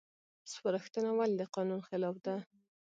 سپارښتنه ولې د قانون خلاف ده؟